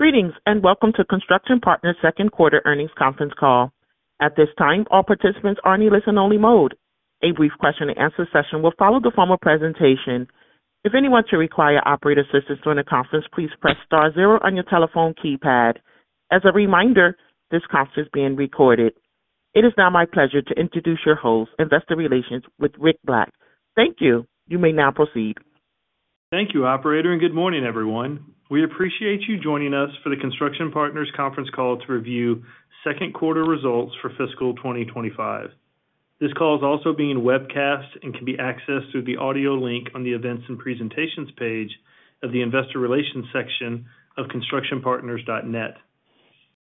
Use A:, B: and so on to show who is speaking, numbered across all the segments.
A: Greetings and welcome to Construction Partners' second quarter earnings conference call. At this time, all participants are in a listen-only mode. A brief question-and-answer session will follow the formal presentation. If anyone should require operator assistance during the conference, please press star zero on your telephone keypad. As a reminder, this conference is being recorded. It is now my pleasure to introduce your host, Investor Relations, with Rick Black. Thank you. You may now proceed.
B: Thank you, Operator, and good morning, everyone. We appreciate you joining us for the Construction Partners conference call to review second quarter results for fiscal 2025. This call is also being webcast and can be accessed through the audio link on the events and presentations page of the Investor Relations section of constructionpartners.net.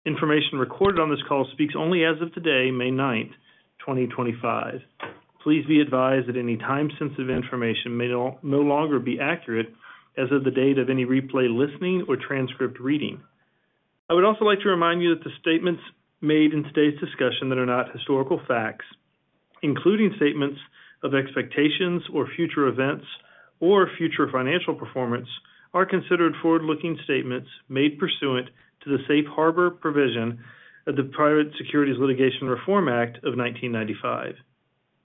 B: Information recorded on this call speaks only as of today, May 9th, 2025. Please be advised that any time-sensitive information may no longer be accurate as of the date of any replay listening or transcript reading. I would also like to remind you that the statements made in today's discussion that are not historical facts, including statements of expectations or future events or future financial performance, are considered forward-looking statements made pursuant to the safe harbor provision of the Private Securities Litigation Reform Act of 1995.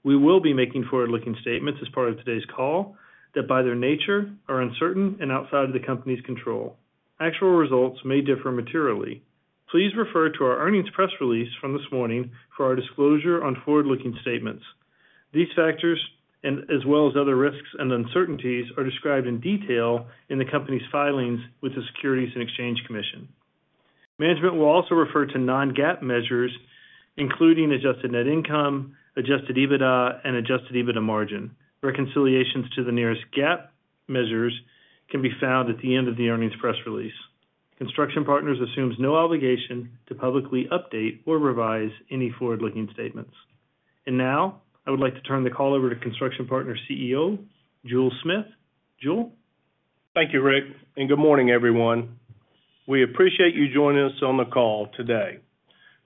B: We will be making forward-looking statements as part of today's call that, by their nature, are uncertain and outside of the company's control. Actual results may differ materially. Please refer to our earnings press release from this morning for our disclosure on forward-looking statements. These factors, as well as other risks and uncertainties, are described in detail in the company's filings with the Securities and Exchange Commission. Management will also refer to non-GAAP measures, including adjusted net income, adjusted EBITDA, and adjusted EBITDA margin. Reconciliations to the nearest GAAP measures can be found at the end of the earnings press release. Construction Partners assumes no obligation to publicly update or revise any forward-looking statements. I would like to turn the call over to Construction Partners CEO, Jule Smith. Jule?
C: Thank you, Rick. Good morning, everyone. We appreciate you joining us on the call today.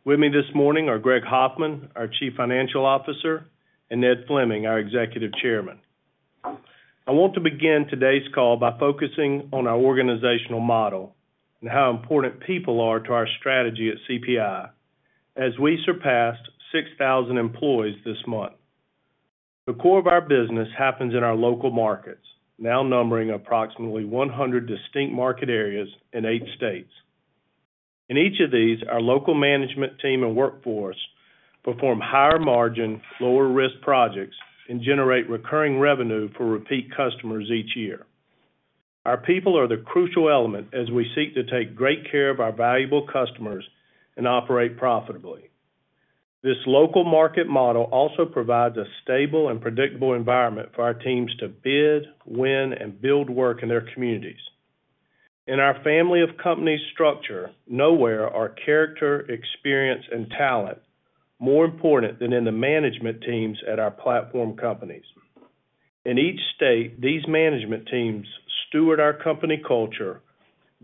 C: With me this morning are Greg Hoffman, our Chief Financial Officer, and Ned Fleming, our Executive Chairman. I want to begin today's call by focusing on our organizational model and how important people are to our strategy at CPI, as we surpassed 6,000 employees this month. The core of our business happens in our local markets, now numbering approximately 100 distinct market areas in eight states. In each of these, our local management team and workforce perform higher-margin, lower-risk projects and generate recurring revenue for repeat customers each year. Our people are the crucial element as we seek to take great care of our valuable customers and operate profitably. This local market model also provides a stable and predictable environment for our teams to bid, win, and build work in their communities. In our family of companies structure, nowhere are character, experience, and talent more important than in the management teams at our platform companies. In each state, these management teams steward our company culture,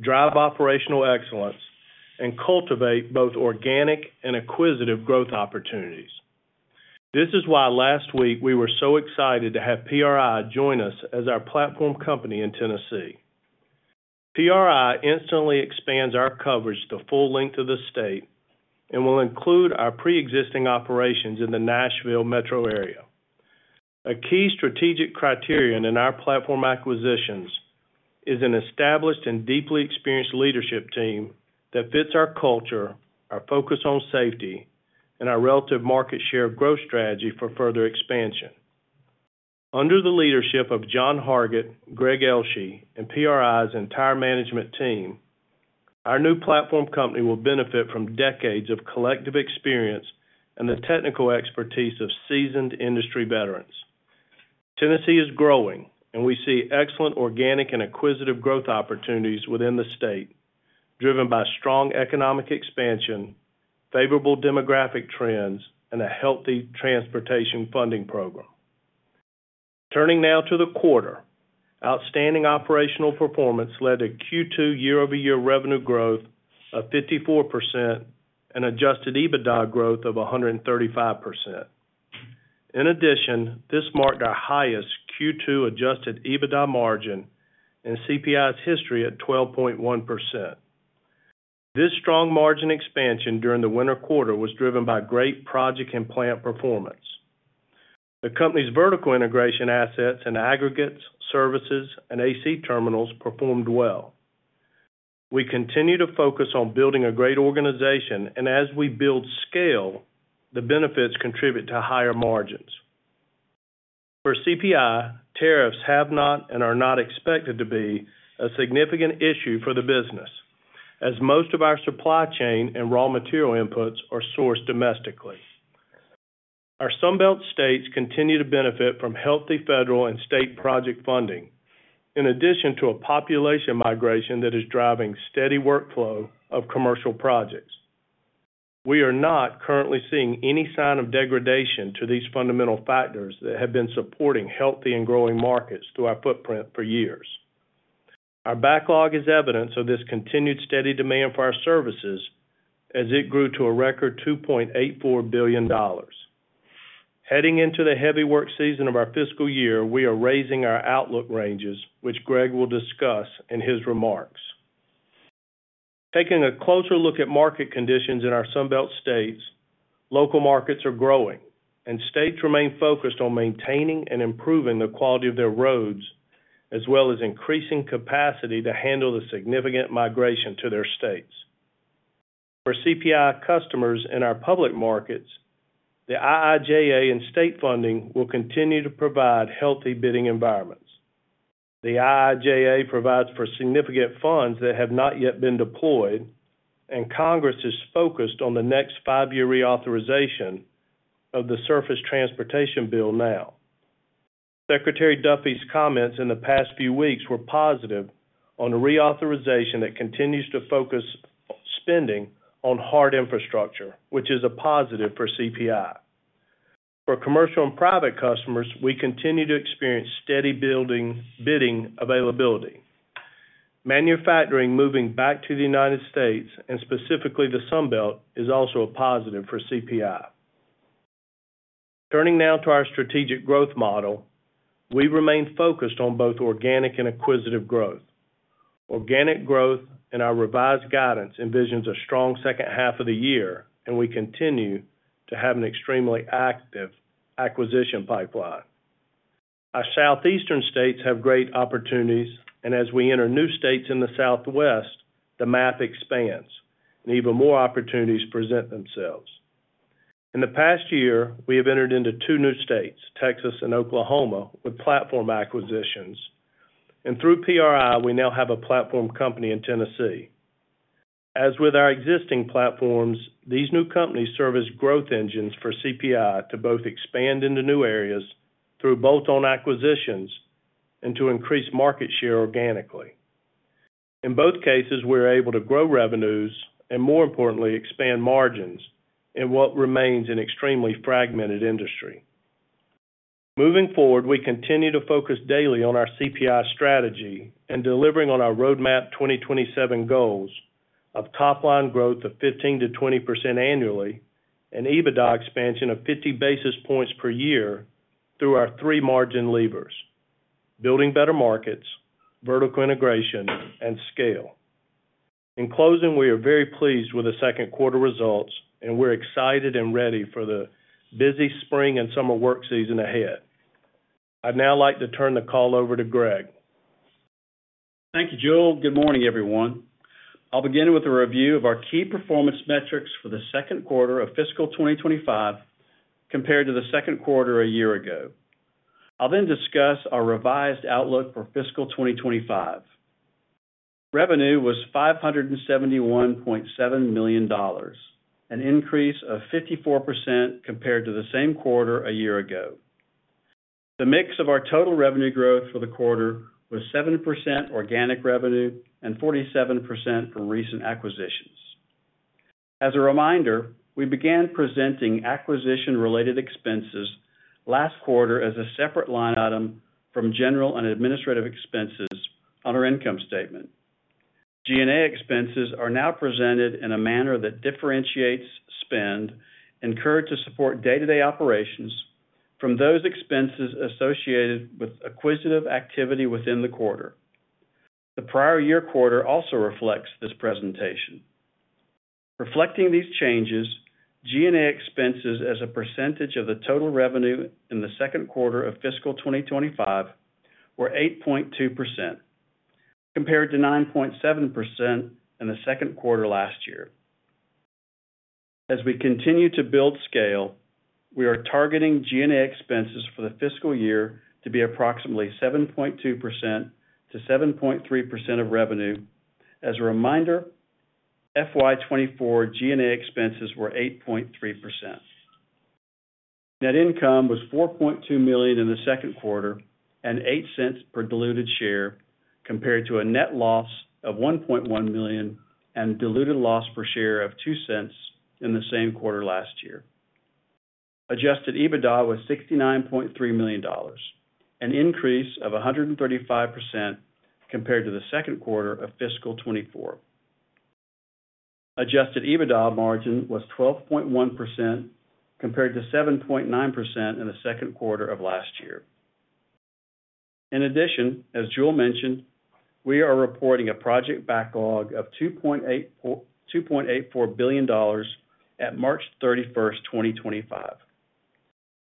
C: drive operational excellence, and cultivate both organic and acquisitive growth opportunities. This is why last week we were so excited to have PRI join us as our platform company in Tennessee. PRI instantly expands our coverage to the full length of the state and will include our pre-existing operations in the Nashville metro area. A key strategic criterion in our platform acquisitions is an established and deeply experienced leadership team that fits our culture, our focus on safety, and our relative market share growth strategy for further expansion. Under the leadership of Jon Hargett, Greg Ailshie, and PRI's entire management team, our new platform company will benefit from decades of collective experience and the technical expertise of seasoned industry veterans. Tennessee is growing, and we see excellent organic and acquisitive growth opportunities within the state, driven by strong economic expansion, favorable demographic trends, and a healthy transportation funding program. Turning now to the quarter, outstanding operational performance led to Q2 year-over-year revenue growth of 54% and adjusted EBITDA growth of 135%. In addition, this marked our highest Q2 adjusted EBITDA margin in CPI's history at 12.1%. This strong margin expansion during the winter quarter was driven by great project and plant performance. The company's vertical integration assets and aggregates, services, and AC terminals performed well. We continue to focus on building a great organization, and as we build scale, the benefits contribute to higher margins. For CPI, tariffs have not and are not expected to be a significant issue for the business, as most of our supply chain and raw material inputs are sourced domestically. Our Sunbelt states continue to benefit from healthy federal and state project funding, in addition to a population migration that is driving a steady workflow of commercial projects. We are not currently seeing any sign of degradation to these fundamental factors that have been supporting healthy and growing markets through our footprint for years. Our backlog is evidence of this continued steady demand for our services, as it grew to a record $2.84 billion. Heading into the heavy work season of our fiscal year, we are raising our outlook ranges, which Greg will discuss in his remarks. Taking a closer look at market conditions in our Sunbelt states, local markets are growing, and states remain focused on maintaining and improving the quality of their roads, as well as increasing capacity to handle the significant migration to their states. For CPI customers in our public markets, the IIJA and state funding will continue to provide healthy bidding environments. The IIJA provides for significant funds that have not yet been deployed, and Congress is focused on the next five-year reauthorization of the surface transportation bill now. Secretary Duffy's comments in the past few weeks were positive on a reauthorization that continues to focus spending on hard infrastructure, which is a positive for CPI. For commercial and private customers, we continue to experience steady bidding availability. Manufacturing moving back to the United States, and specifically the Sunbelt, is also a positive for CPI. Turning now to our strategic growth model, we remain focused on both organic and acquisitive growth. Organic growth and our revised guidance envisions a strong second half of the year, and we continue to have an extremely active acquisition pipeline. Our southeastern states have great opportunities, and as we enter new states in the southwest, the map expands, and even more opportunities present themselves. In the past year, we have entered into two new states, Texas and Oklahoma, with platform acquisitions. Through PRI, we now have a platform company in Tennessee. As with our existing platforms, these new companies serve as growth engines for CPI to both expand into new areas through bolt-on acquisitions and to increase market share organically. In both cases, we're able to grow revenues and, more importantly, expand margins in what remains an extremely fragmented industry. Moving forward, we continue to focus daily on our CPI strategy and delivering on our roadmap 2027 goals of top-line growth of 15%-20% annually and EBITDA expansion of 50 basis points per year through our three margin levers: building better markets, vertical integration, and scale. In closing, we are very pleased with the second quarter results, and we're excited and ready for the busy spring and summer work season ahead. I'd now like to turn the call over to Greg.
D: Thank you, Jule. Good morning, everyone. I'll begin with a review of our key performance metrics for the second quarter of fiscal 2025 compared to the second quarter a year ago. I'll then discuss our revised outlook for fiscal 2025. Revenue was $571.7 million, an increase of 54% compared to the same quarter a year ago. The mix of our total revenue growth for the quarter was seven percent organic revenue and 47% from recent acquisitions. As a reminder, we began presenting acquisition-related expenses last quarter as a separate line item from general and administrative expenses on our income statement. G&A expenses are now presented in a manner that differentiates spend and encourages support day-to-day operations from those expenses associated with acquisitive activity within the quarter. The prior year quarter also reflects this presentation. Reflecting these changes, G&A expenses as a percentage of the total revenue in the second quarter of fiscal 2025 were 8.2%, compared to 9.7% in the second quarter last year. As we continue to build scale, we are targeting G&A expenses for the fiscal year to be approximately 7.2%-7.3% of revenue. As a reminder, fiscal year 2024 G&A expenses were 8.3%. Net income was $4.2 million in the second quarter and $0.08 per diluted share, compared to a net loss of $1.1 million and diluted loss per share of $0.02 in the same quarter last year. Adjusted EBITDA was $69.3 million, an increase of 135% compared to the second quarter of fiscal 2024. Adjusted EBITDA margin was 12.1%, compared to 7.9% in the second quarter of last year. In addition, as Jule mentioned, we are reporting a project backlog of $2.84 billion at March 31st, 2025.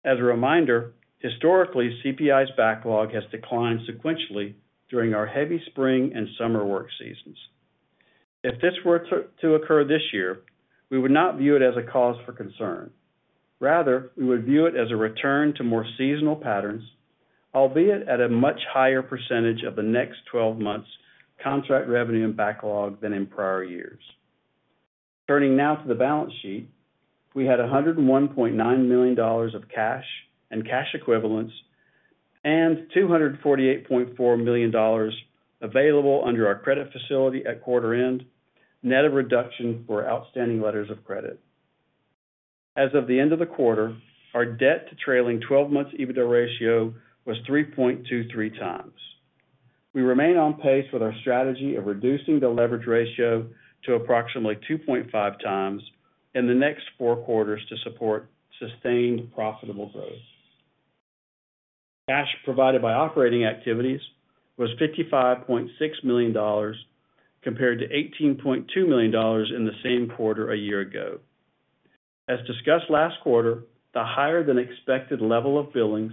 D: As a reminder, historically, CPI's backlog has declined sequentially during our heavy spring and summer work seasons. If this were to occur this year, we would not view it as a cause for concern. Rather, we would view it as a return to more seasonal patterns, albeit at a much higher percentage of the next 12 months' contract revenue and backlog than in prior years. Turning now to the balance sheet, we had $101.9 million of cash and cash equivalents and $248.4 million available under our credit facility at quarter-end, net a reduction for outstanding letters of credit. As of the end of the quarter, our debt-to-trailing 12-month EBITDA ratio was 3.23 times. We remain on pace with our strategy of reducing the leverage ratio to approximately 2.5 times in the next four quarters to support sustained profitable growth. Cash provided by operating activities was $55.6 million, compared to $18.2 million in the same quarter a year ago. As discussed last quarter, the higher-than-expected level of billings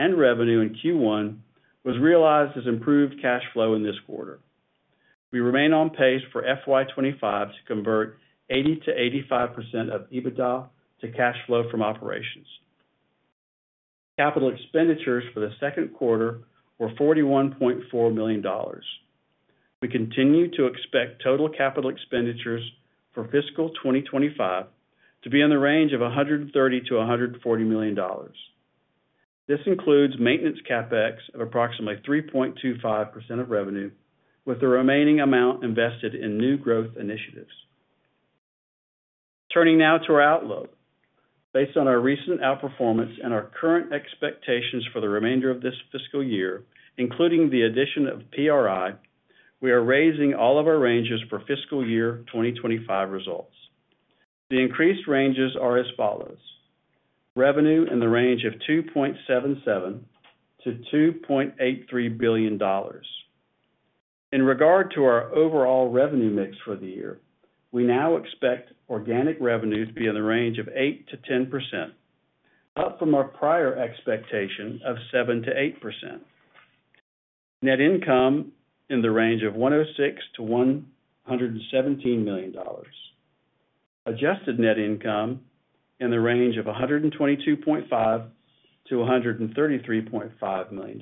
D: and revenue in Q1 was realized as improved cash flow in this quarter. We remain on pace for FY2025 to convert 80-85% of EBITDA to cash flow from operations. Capital expenditures for the second quarter were $41.4 million. We continue to expect total capital expenditures for fiscal 2025 to be in the range of $130-$140 million. This includes maintenance CapEx of approximately 3.25% of revenue, with the remaining amount invested in new growth initiatives. Turning now to our outlook. Based on our recent outperformance and our current expectations for the remainder of this fiscal year, including the addition of PRI, we are raising all of our ranges for fiscal year 2025 results. The increased ranges are as follows: revenue in the range of $2.77 billion-$2.83 billion. In regard to our overall revenue mix for the year, we now expect organic revenue to be in the range of 8%-10%, up from our prior expectation of 7%-8%. Net income in the range of $106 million-$117 million. Adjusted net income in the range of $122.5 million-$133.5 million.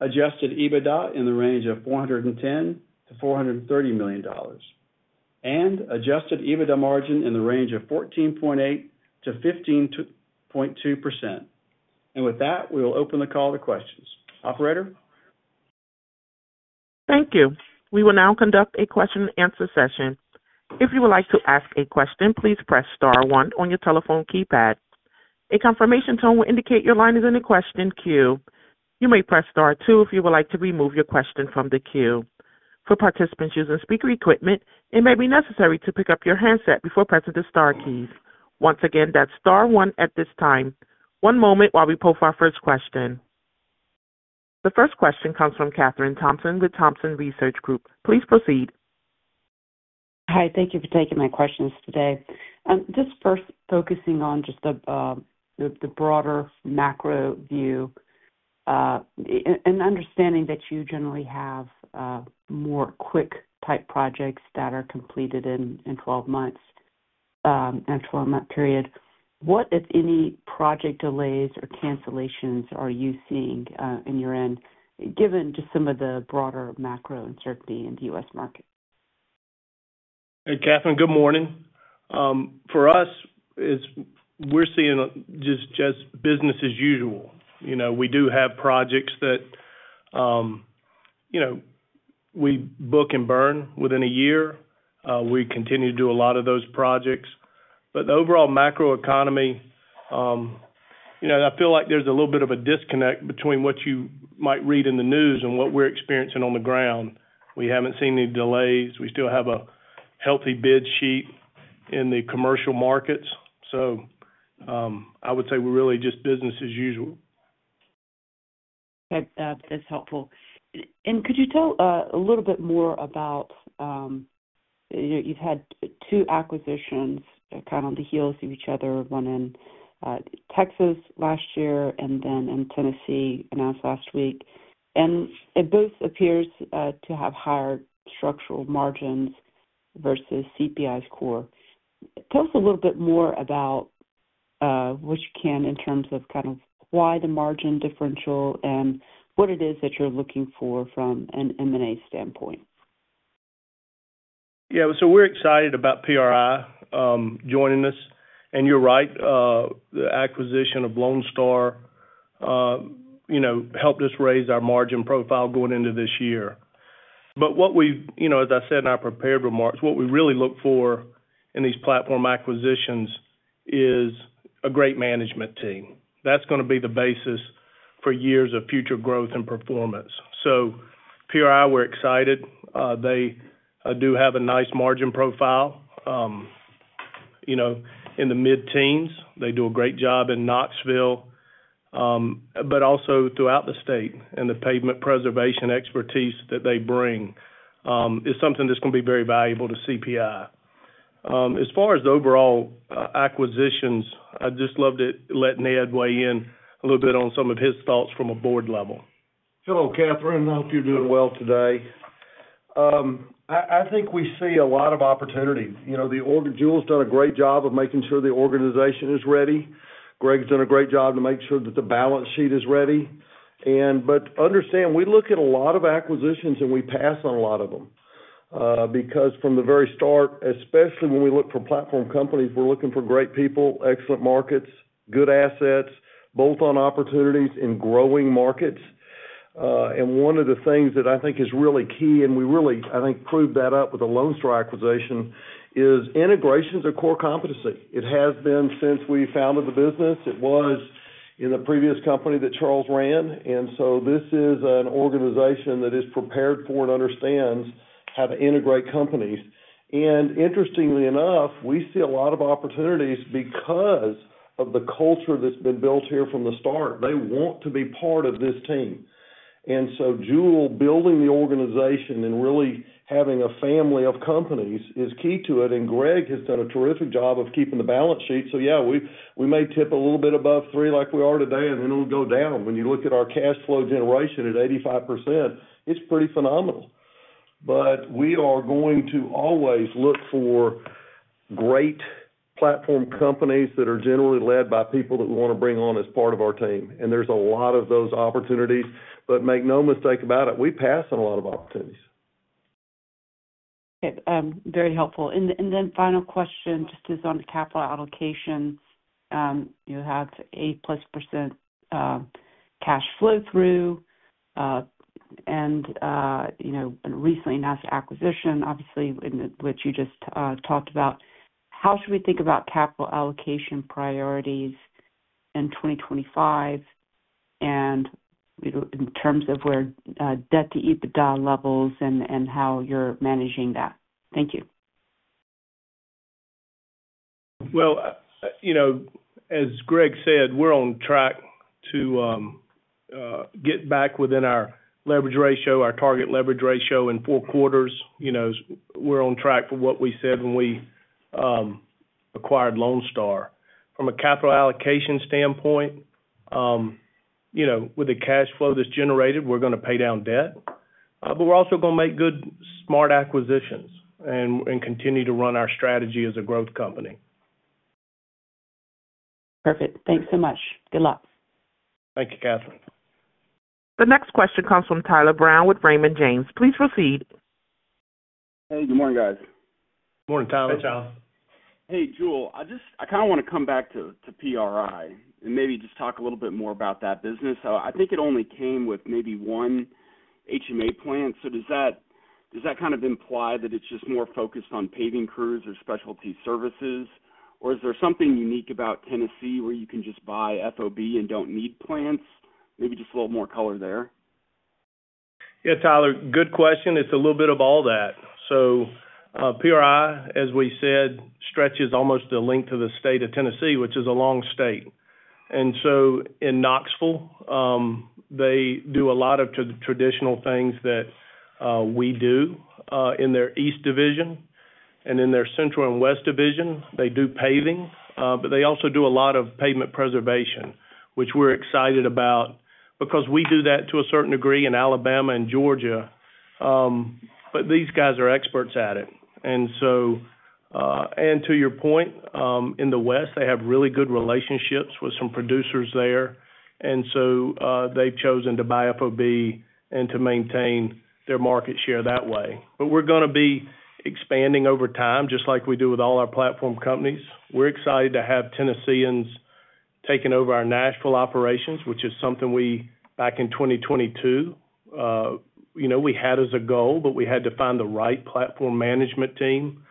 D: Adjusted EBITDA in the range of $410 million-$430 million. Adjusted EBITDA margin in the range of 14.8%-15.2%. With that, we will open the call to questions. Operator?
A: Thank you. We will now conduct a question-and-answer session. If you would like to ask a question, please press star one on your telephone keypad. A confirmation tone will indicate your line is in a question queue. You may press star two if you would like to remove your question from the queue. For participants using speaker equipment, it may be necessary to pick up your handset before pressing the star keys. Once again, that's star one at this time. One moment while we pull up our first question. The first question comes from Kathryn Thompson with Thompson Research Group. Please proceed.
E: Hi. Thank you for taking my questions today. Just first focusing on just the broader macro view and understanding that you generally have more quick-type projects that are completed in 12 months, in a 12-month period. What, if any, project delays or cancellations are you seeing in your end, given just some of the broader macro uncertainty in the U.S. market?
C: Hey, Kathryn, good morning. For us, we're seeing just business as usual. We do have projects that we book and burn within a year. We continue to do a lot of those projects. The overall macro economy, I feel like there's a little bit of a disconnect between what you might read in the news and what we're experiencing on the ground. We haven't seen any delays. We still have a healthy bid sheet in the commercial markets. I would say we're really just business as usual.
E: That's helpful. Could you tell a little bit more about, you've had two acquisitions kind of on the heels of each other, one in Texas last year and then in Tennessee, announced last week. It both appears to have higher structural margins versus CPI's core. Tell us a little bit more about what you can in terms of kind of why the margin differential and what it is that you're looking for from an M&A standpoint.
C: Yeah. So we're excited about PRI joining us. And you're right. The acquisition of Lone Star helped us raise our margin profile going into this year. But what we've, as I said in our prepared remarks, what we really look for in these platform acquisitions is a great management team. That's going to be the basis for years of future growth and performance. So PRI, we're excited. They do have a nice margin profile in the mid-teens. They do a great job in Knoxville, but also throughout the state. And the pavement preservation expertise that they bring is something that's going to be very valuable to CPI. As far as overall acquisitions, I'd just love to let Ned weigh in a little bit on some of his thoughts from a board level.
F: Hello, Katherine. I hope you're doing well today. I think we see a lot of opportunity. Jule's done a great job of making sure the organization is ready. Greg's done a great job to make sure that the balance sheet is ready. We look at a lot of acquisitions and we pass on a lot of them because from the very start, especially when we look for platform companies, we're looking for great people, excellent markets, good assets, bolt-on opportunities in growing markets. One of the things that I think is really key, and we really, I think, proved that up with the Lone Star acquisition, is integrations are core competency. It has been since we founded the business. It was in the previous company that Charles ran. This is an organization that is prepared for and understands how to integrate companies. Interestingly enough, we see a lot of opportunities because of the culture that's been built here from the start. They want to be part of this team. Jule, building the organization and really having a family of companies is key to it. Greg has done a terrific job of keeping the balance sheet. Yeah, we may tip a little bit above three like we are today, and then it'll go down. When you look at our cash flow generation at 85%, it's pretty phenomenal. We are going to always look for great platform companies that are generally led by people that we want to bring on as part of our team. There are a lot of those opportunities. Make no mistake about it, we pass on a lot of opportunities.
E: Very helpful. And then final question, just on the capital allocation. You have 80%+ cash flow through and recently announced acquisition, obviously, which you just talked about. How should we think about capital allocation priorities in 2025 and in terms of where debt-to-EBITDA levels and how you're managing that? Thank you.
C: As Greg said, we're on track to get back within our leverage ratio, our target leverage ratio in four quarters. We're on track for what we said when we acquired Lone Star. From a capital allocation standpoint, with the cash flow that's generated, we're going to pay down debt. We're also going to make good, smart acquisitions and continue to run our strategy as a growth company.
E: Perfect. Thanks so much. Good luck.
C: Thank you, Katherine.
A: The next question comes from Tyler Brown with Raymond James. Please proceed.
G: Hey, good morning, guys.
C: Morning, Tyler.
D: Hey, Charles.
G: Hey, Jule. I kind of want to come back to PRI and maybe just talk a little bit more about that business. I think it only came with maybe one HMA plant. Does that kind of imply that it's just more focused on paving crews or specialty services? Or is there something unique about Tennessee where you can just buy FOB and don't need plants? Maybe just a little more color there.
C: Yeah, Tyler, good question. It's a little bit of all that. So PRI, as we said, stretches almost the length of the state of Tennessee, which is a long state. In Knoxville, they do a lot of traditional things that we do in their east division. In their central and west division, they do paving, but they also do a lot of pavement preservation, which we're excited about because we do that to a certain degree in Alabama and Georgia. These guys are experts at it. To your point, in the west, they have really good relationships with some producers there, and so they've chosen to buy FOB and to maintain their market share that way. We're going to be expanding over time, just like we do with all our platform companies. We're excited to have Tennesseans taking over our Nashville operations, which is something we, back in 2022, we had as a goal, but we had to find the right platform management team.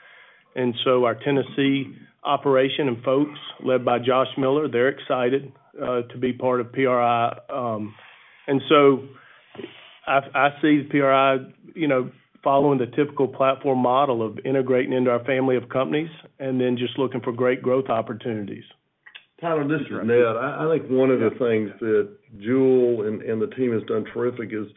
C: Our Tennessee operation and folks led by Josh Miller, they're excited to be part of PRI. I see PRI following the typical platform model of integrating into our family of companies and then just looking for great growth opportunities.
H: Tyler, this is Renee. I think one of the things that Jule and the team has done terrific is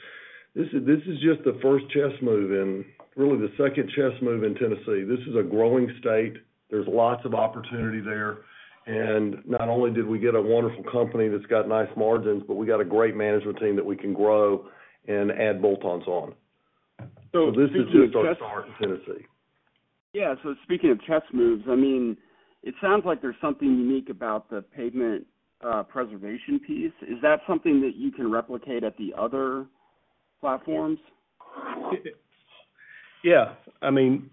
H: this is just the first chess move and really the second chess move in Tennessee. This is a growing state. There is lots of opportunity there. Not only did we get a wonderful company that has got nice margins, but we got a great management team that we can grow and add bolt-ons on. This is just our start in Tennessee.
G: Yeah. Speaking of chess moves, I mean, it sounds like there's something unique about the pavement preservation piece. Is that something that you can replicate at the other platforms?
C: Yeah. I mean,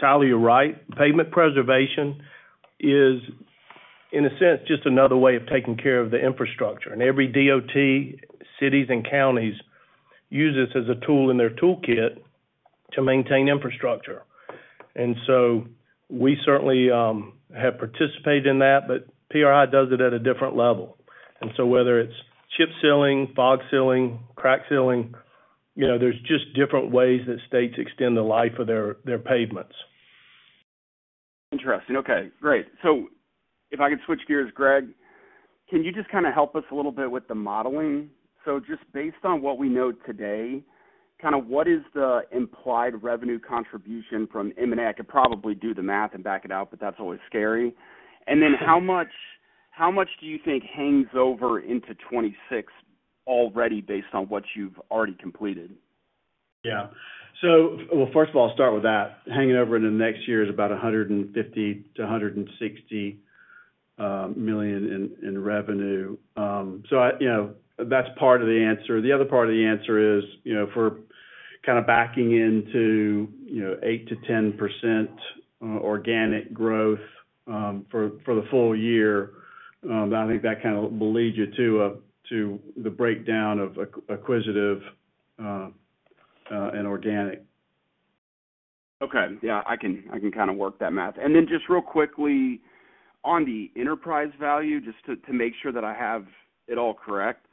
C: Tyler, you're right. Pavement preservation is, in a sense, just another way of taking care of the infrastructure. Every DOT, cities, and counties use this as a tool in their toolkit to maintain infrastructure. We certainly have participated in that, but PRI does it at a different level. Whether it's chip sealing, fog sealing, crack sealing, there are just different ways that states extend the life of their pavements.
G: Interesting. Okay. Great. If I could switch gears, Greg, can you just kind of help us a little bit with the modeling? Just based on what we know today, kind of what is the implied revenue contribution from M&A? I could probably do the math and back it out, but that's always scary. How much do you think hangs over into 2026 already based on what you've already completed?
D: Yeah. First of all, I'll start with that. Hanging over into next year is about $150 million-$160 million in revenue. That's part of the answer. The other part of the answer is for kind of backing into 8%-10% organic growth for the full year. I think that kind of will lead you to the breakdown of acquisitive and organic.
G: Okay. Yeah. I can kind of work that math. And then just real quickly on the enterprise value, just to make sure that I have it all correct.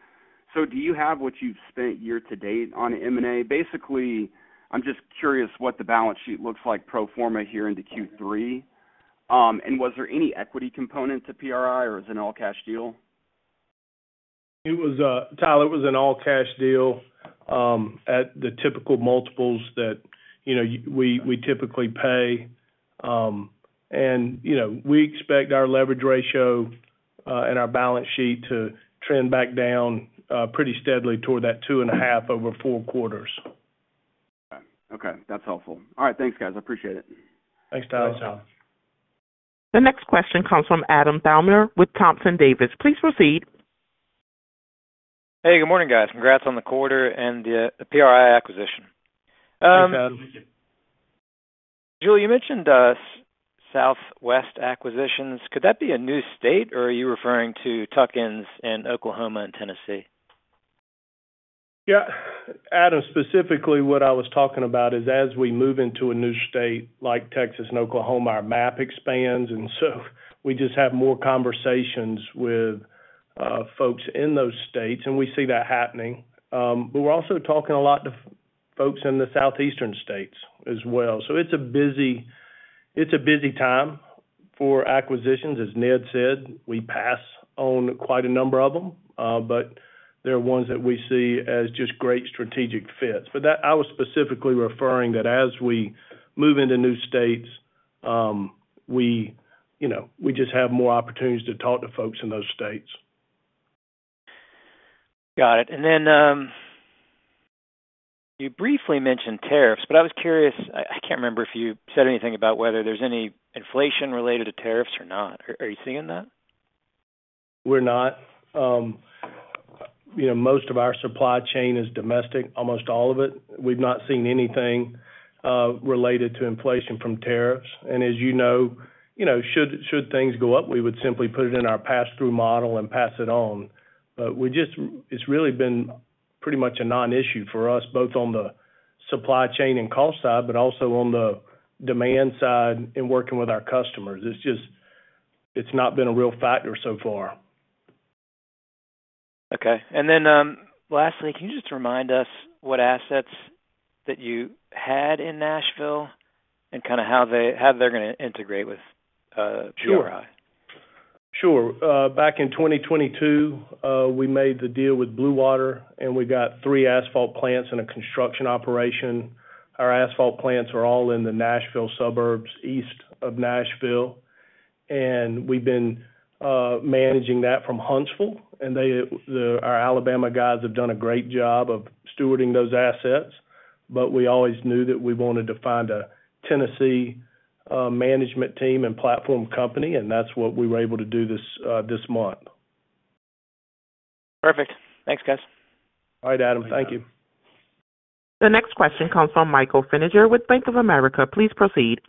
G: Do you have what you've spent year to date on M&A? Basically, I'm just curious what the balance sheet looks like pro forma here into Q3. Was there any equity component to PRI, or is it an all-cash deal?
C: Tyler, it was an all-cash deal at the typical multiples that we typically pay. We expect our leverage ratio and our balance sheet to trend back down pretty steadily toward that 2.5 over four quarters.
G: Okay. Okay. That's helpful. All right. Thanks, guys. I appreciate it.
D: Thanks, Tyler.
G: Thanks, Tyler.
A: The next question comes from Adam Thalhimer with Thompson Davis. Please proceed.
I: Hey, good morning, guys. Congrats on the quarter and the PRI acquisition.
D: Thanks, guys.
I: Jule, you mentioned Southwest Acquisitions. Could that be a new state, or are you referring to Tuckins and Oklahoma and Tennessee?
C: Yeah. Adam, specifically, what I was talking about is as we move into a new state like Texas and Oklahoma, our map expands. We just have more conversations with folks in those states. We see that happening. We are also talking a lot to folks in the southeastern states as well. It is a busy time for acquisitions. As Ned said, we pass on quite a number of them, but there are ones that we see as just great strategic fits. I was specifically referring that as we move into new states, we just have more opportunities to talk to folks in those states.
I: Got it. You briefly mentioned tariffs, but I was curious. I can't remember if you said anything about whether there's any inflation related to tariffs or not. Are you seeing that?
C: We're not. Most of our supply chain is domestic, almost all of it. We've not seen anything related to inflation from tariffs. As you know, should things go up, we would simply put it in our pass-through model and pass it on. It has really been pretty much a non-issue for us, both on the supply chain and cost side, but also on the demand side in working with our customers. It's not been a real factor so far.
I: Okay. Lastly, can you just remind us what assets that you had in Nashville and kind of how they're going to integrate with PRI?
C: Sure. Sure. Back in 2022, we made the deal with Blue Water, and we got three asphalt plants and a construction operation. Our asphalt plants are all in the Nashville suburbs east of Nashville. We have been managing that from Huntsville. Our Alabama guys have done a great job of stewarding those assets. We always knew that we wanted to find a Tennessee management team and platform company. That is what we were able to do this month.
I: Perfect. Thanks, guys.
C: All right, Adam. Thank you.
A: The next question comes from Michael Feniger with Bank of America. Please proceed.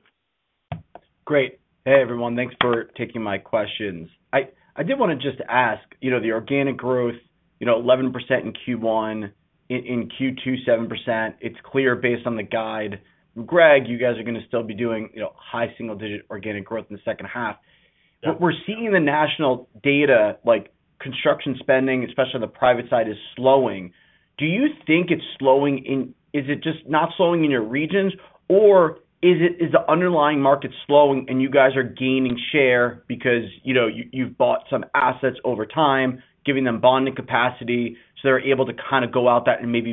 J: Great. Hey, everyone. Thanks for taking my questions. I did want to just ask, the organic growth, 11% in Q1, in Q2, seven percent. It's clear based on the guide. Greg, you guys are going to still be doing high single-digit organic growth in the second half. We're seeing the national data, like construction spending, especially on the private side, is slowing. Do you think it's slowing in? Is it just not slowing in your regions, or is the underlying market slowing and you guys are gaining share because you've bought some assets over time, giving them bonding capacity so they're able to kind of go out that and maybe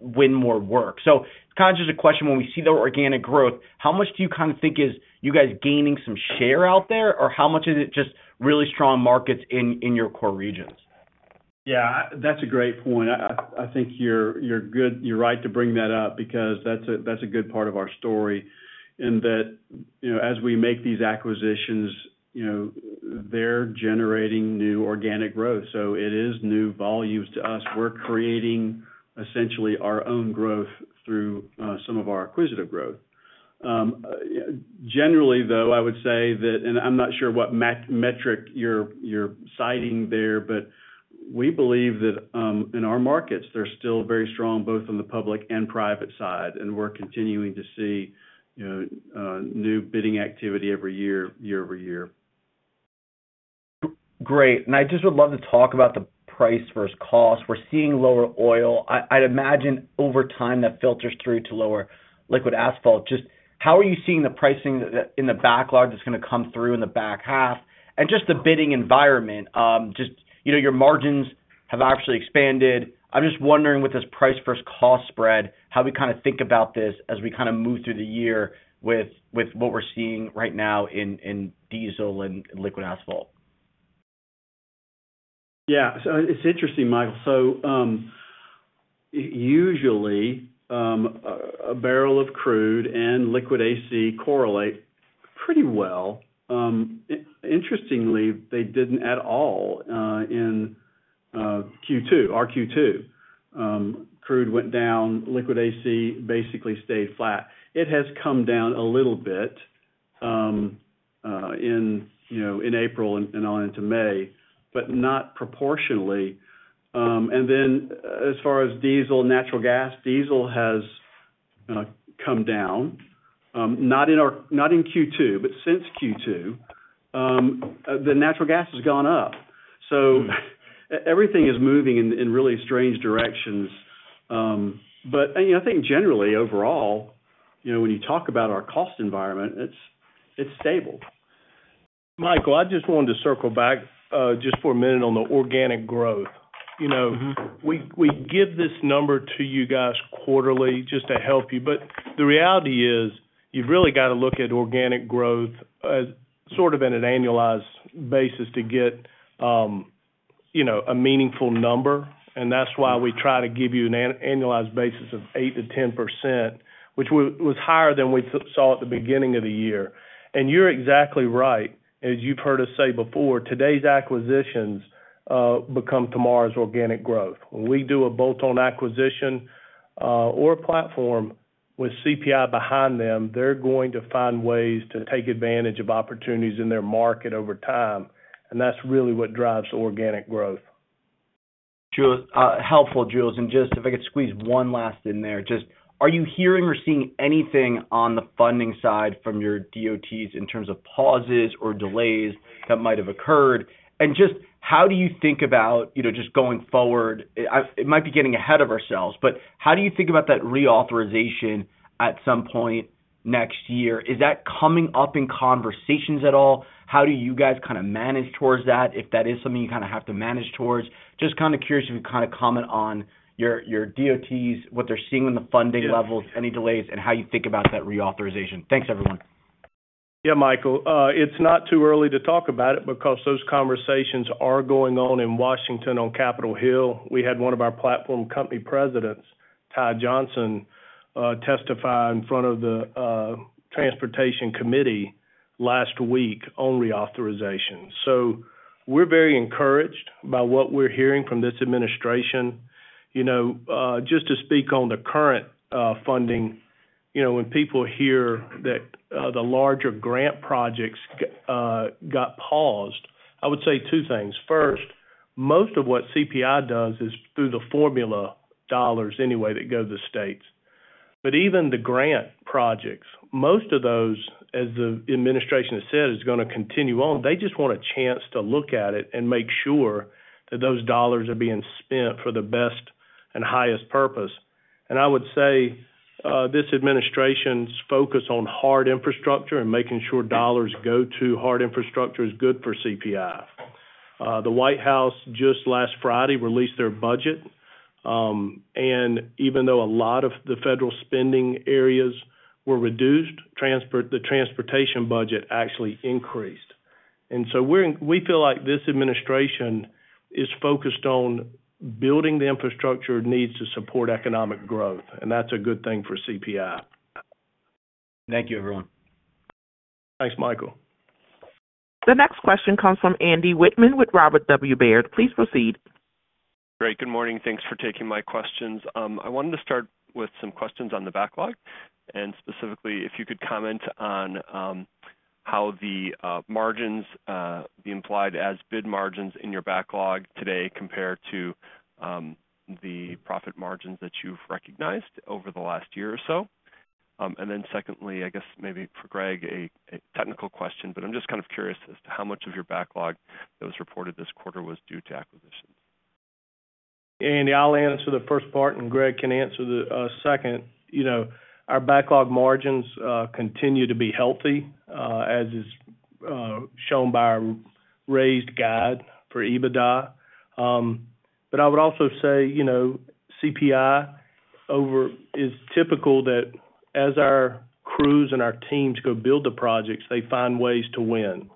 J: win more work? Kind of just a question. When we see the organic growth, how much do you kind of think is you guys gaining some share out there, or how much is it just really strong markets in your core regions?
D: Yeah. That's a great point. I think you're right to bring that up because that's a good part of our story in that as we make these acquisitions, they're generating new organic growth. So it is new volumes to us. We're creating essentially our own growth through some of our acquisitive growth. Generally, though, I would say that, and I'm not sure what metric you're citing there, but we believe that in our markets, they're still very strong both on the public and private side. We're continuing to see new bidding activity every year, year over year.
J: Great. I just would love to talk about the price versus cost. We're seeing lower oil. I'd imagine over time that filters through to lower liquid asphalt. Just how are you seeing the pricing in the backlog that's going to come through in the back half? Just the bidding environment, your margins have actually expanded. I'm just wondering with this price versus cost spread, how we kind of think about this as we kind of move through the year with what we're seeing right now in diesel and liquid asphalt.
D: Yeah. So it's interesting, Michael. Usually, a barrel of crude and liquid AC correlate pretty well. Interestingly, they didn't at all in Q2, our Q2. Crude went down. Liquid AC basically stayed flat. It has come down a little bit in April and on into May, but not proportionally. As far as diesel and natural gas, diesel has come down. Not in Q2, but since Q2, the natural gas has gone up. Everything is moving in really strange directions. I think generally, overall, when you talk about our cost environment, it's stable.
C: Michael, I just wanted to circle back just for a minute on the organic growth. We give this number to you guys quarterly just to help you. The reality is you've really got to look at organic growth sort of on an annualized basis to get a meaningful number. That's why we try to give you an annualized basis of 8%-10%, which was higher than we saw at the beginning of the year. You're exactly right. As you've heard us say before, today's acquisitions become tomorrow's organic growth. When we do a bolt-on acquisition or a platform with CPI behind them, they're going to find ways to take advantage of opportunities in their market over time. That's really what drives organic growth.
J: Helpful, Jule. If I could squeeze one last in there, are you hearing or seeing anything on the funding side from your DOTs in terms of pauses or delays that might have occurred? How do you think about going forward? It might be getting ahead of ourselves, but how do you think about that reauthorization at some point next year? Is that coming up in conversations at all? How do you guys kind of manage towards that if that is something you kind of have to manage towards? Just kind of curious if you could comment on your DOTs, what they are seeing in the funding levels, any delays, and how you think about that reauthorization. Thanks, everyone.
C: Yeah, Michael. It's not too early to talk about it because those conversations are going on in Washington on Capitol Hill. We had one of our platform company presidents, Ty Johnson, testify in front of the Transportation Committee last week on reauthorization. We are very encouraged by what we're hearing from this administration. Just to speak on the current funding, when people hear that the larger grant projects got paused, I would say two things. First, most of what CPI does is through the formula dollars anyway that go to the states. Even the grant projects, most of those, as the administration has said, are going to continue on. They just want a chance to look at it and make sure that those dollars are being spent for the best and highest purpose. I would say this administration's focus on hard infrastructure and making sure dollars go to hard infrastructure is good for CPI. The White House just last Friday released their budget. Even though a lot of the federal spending areas were reduced, the transportation budget actually increased. We feel like this administration is focused on building the infrastructure it needs to support economic growth. That is a good thing for CPI.
J: Thank you, everyone.
C: Thanks, Michael.
A: The next question comes from Andy Wittmann with Robert W. Baird. Please proceed.
K: Great. Good morning. Thanks for taking my questions. I wanted to start with some questions on the backlog. Specifically, if you could comment on how the margins be implied as bid margins in your backlog today compared to the profit margins that you've recognized over the last year or so. Secondly, I guess maybe for Greg, a technical question, but I'm just kind of curious as to how much of your backlog that was reported this quarter was due to acquisitions.
C: Andy, I'll answer the first part, and Greg can answer the second. Our backlog margins continue to be healthy, as is shown by our raised guide for EBITDA. I would also say CPI is typical that as our crews and our teams go build the projects, they find ways to win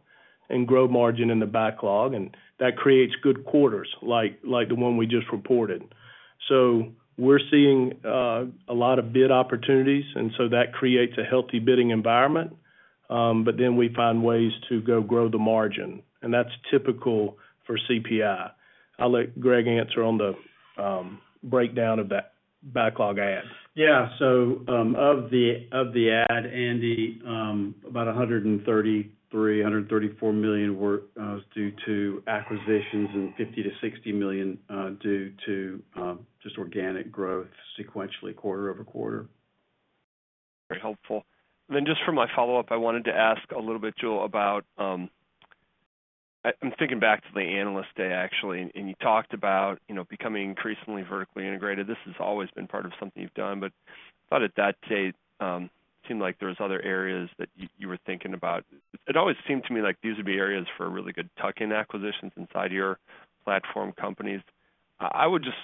C: and grow margin in the backlog. That creates good quarters like the one we just reported. We are seeing a lot of bid opportunities, and that creates a healthy bidding environment. We find ways to go grow the margin. That is typical for CPI. I'll let Greg answer on the breakdown of that backlog ad.
D: Yeah. Of that, Andy, about $133 million-$134 million was due to acquisitions and $50 million-$60 million due to just organic growth sequentially quarter over quarter.
K: Very helpful. For my follow-up, I wanted to ask a little bit, Jule, about I'm thinking back to the analyst day, actually, and you talked about becoming increasingly vertically integrated. This has always been part of something you've done. I thought at that day, it seemed like there were other areas that you were thinking about. It always seemed to me like these would be areas for really good Tucking acquisitions inside your platform companies. I would just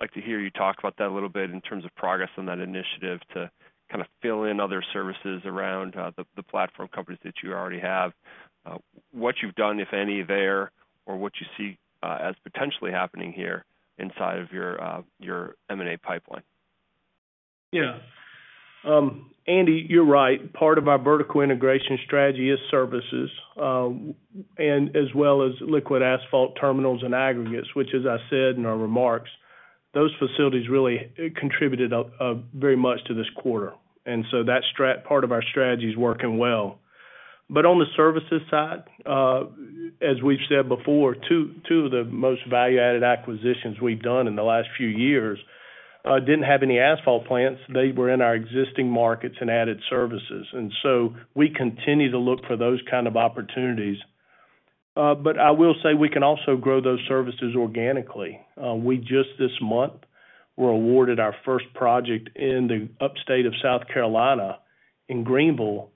K: like to hear you talk about that a little bit in terms of progress on that initiative to kind of fill in other services around the platform companies that you already have. What you've done, if any, there, or what you see as potentially happening here inside of your M&A pipeline?
C: Yeah. Andy, you're right. Part of our vertical integration strategy is services as well as liquid asphalt terminals and aggregates, which, as I said in our remarks, those facilities really contributed very much to this quarter. That part of our strategy is working well. On the services side, as we've said before, two of the most value-added acquisitions we've done in the last few years did not have any asphalt plants. They were in our existing markets and added services. We continue to look for those kind of opportunities. I will say we can also grow those services organically. We just this month were awarded our first project in the upstate of South Carolina in Greenville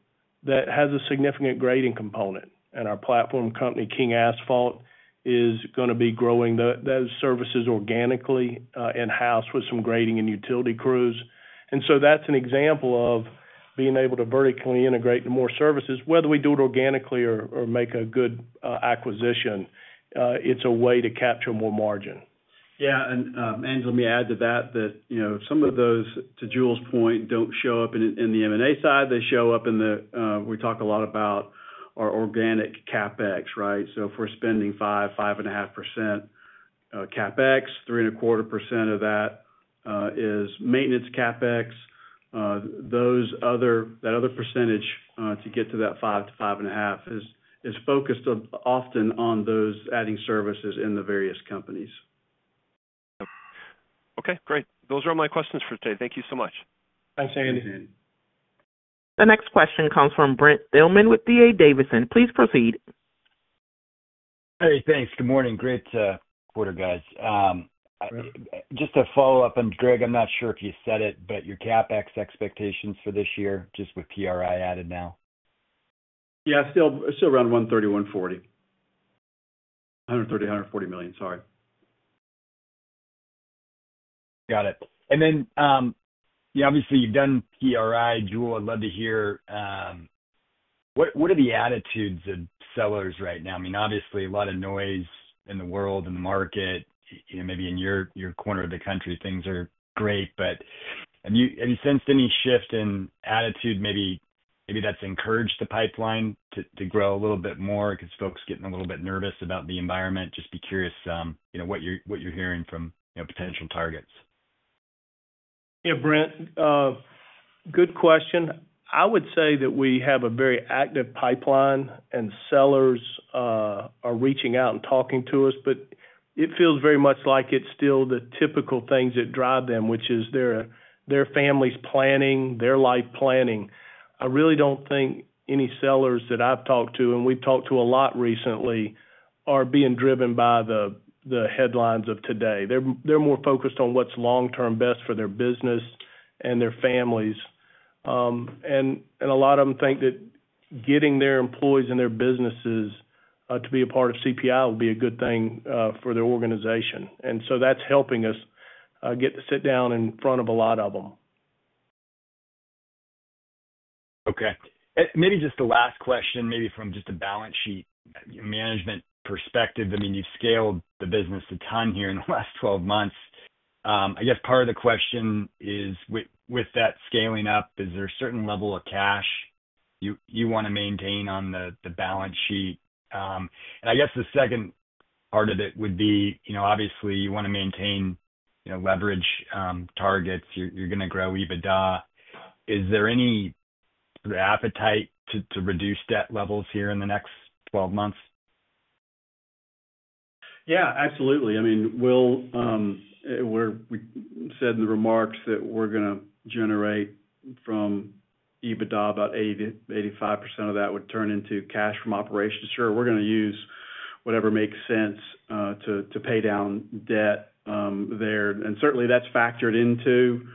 C: that has a significant grading component. Our platform company, King Asphalt, is going to be growing those services organically in-house with some grading and utility crews. That is an example of being able to vertically integrate more services. Whether we do it organically or make a good acquisition, it is a way to capture more margin.
D: Yeah. Andrew, let me add to that that some of those, to Jule's point, do not show up in the M&A side. They show up in the, we talk a lot about our organic CapEx, right? If we are spending 5%, 5.5% CapEx, 3.25% of that is maintenance CapEx. That other percentage to get to that 5%, 5.5% is focused often on those adding services in the various companies.
K: Okay. Great. Those are all my questions for today. Thank you so much.
D: Thanks, Andy.
A: The next question comes from Brent Thielman with D.A. Davidson. Please proceed.
L: Hey, thanks. Good morning. Great quarter, guys. Just to follow up on Greg, I'm not sure if you said it, but your CapEx expectations for this year, just with PRI added now.
D: Yeah. Still around $130-$140 million. $130-$140 million. Sorry.
L: Got it. Yeah, obviously, you've done PRI, Jules. I'd love to hear what are the attitudes of sellers right now? I mean, obviously, a lot of noise in the world, in the market, maybe in your corner of the country, things are great. Have you sensed any shift in attitude? Maybe that's encouraged the pipeline to grow a little bit more because folks are getting a little bit nervous about the environment. Just be curious what you're hearing from potential targets.
C: Yeah, Brent, good question. I would say that we have a very active pipeline, and sellers are reaching out and talking to us. It feels very much like it's still the typical things that drive them, which is their families planning, their life planning. I really do not think any sellers that I've talked to, and we've talked to a lot recently, are being driven by the headlines of today. They're more focused on what's long-term best for their business and their families. A lot of them think that getting their employees and their businesses to be a part of CPI will be a good thing for their organization. That is helping us get to sit down in front of a lot of them.
L: Okay. Maybe just the last question, maybe from just a balance sheet management perspective. I mean, you've scaled the business a ton here in the last 12 months. I guess part of the question is, with that scaling up, is there a certain level of cash you want to maintain on the balance sheet? I guess the second part of it would be, obviously, you want to maintain leverage targets. You're going to grow EBITDA. Is there any sort of appetite to reduce debt levels here in the next 12 months?
D: Yeah, absolutely. I mean, we said in the remarks that we're going to generate from EBITDA about 80%-85% of that would turn into cash from operations. Sure, we're going to use whatever makes sense to pay down debt there. Certainly, that's factored into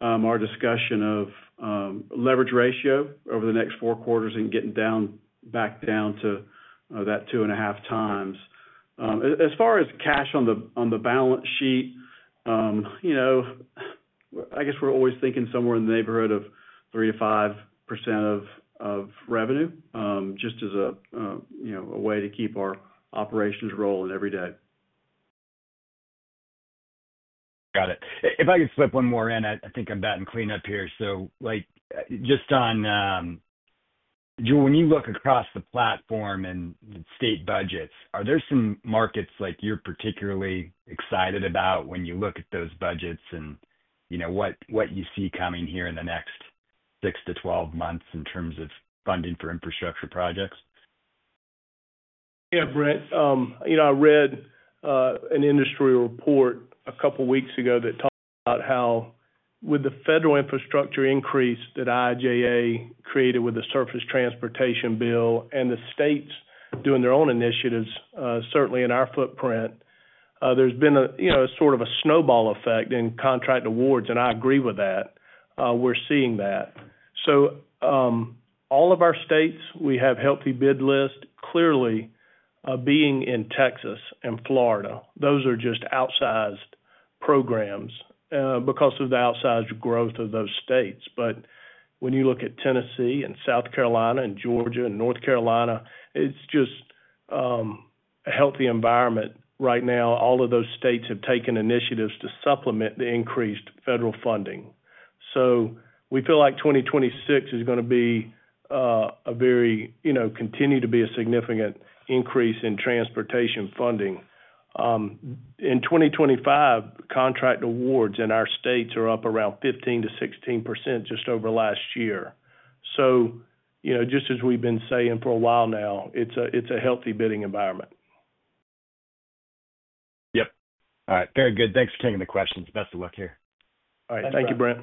D: our discussion of leverage ratio over the next four quarters and getting back down to that two and a half times. As far as cash on the balance sheet, I guess we're always thinking somewhere in the neighborhood of 3%-5% of revenue just as a way to keep our operations rolling every day.
L: Got it. If I could slip one more in, I think I'm about to clean up here. Just on, Jule, when you look across the platform and state budgets, are there some markets you're particularly excited about when you look at those budgets and what you see coming here in the next 6 to 12 months in terms of funding for infrastructure projects?
C: Yeah, Brent. I read an industry report a couple of weeks ago that talked about how with the federal infrastructure increase that IIJA created with the Surface Transportation Bill and the states doing their own initiatives, certainly in our footprint, there has been a sort of a snowball effect in contract awards. I agree with that. We are seeing that. All of our states, we have healthy bid lists, clearly being in Texas and Florida. Those are just outsized programs because of the outsized growth of those states. When you look at Tennessee and South Carolina and Georgia and North Carolina, it is just a healthy environment right now. All of those states have taken initiatives to supplement the increased federal funding. We feel like 2026 is going to be a very, continue to be a significant increase in transportation funding. In 2025, contract awards in our states are up around 15%-16% just over last year. So just as we've been saying for a while now, it's a healthy bidding environment.
L: Yep. All right. Very good. Thanks for taking the questions. Best of luck here.
C: All right. Thank you, Brent.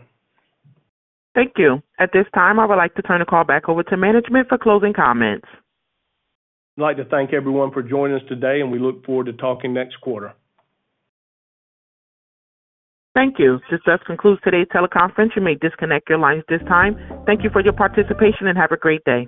A: Thank you. At this time, I would like to turn the call back over to management for closing comments.
C: I'd like to thank everyone for joining us today, and we look forward to talking next quarter.
A: Thank you. This does conclude today's teleconference. You may disconnect your lines at this time. Thank you for your participation and have a great day.